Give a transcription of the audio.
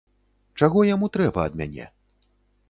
Чаго яму трэба ад мяне?